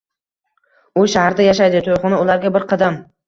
U shaharda yashaydi, to`yxona ularga bir qadam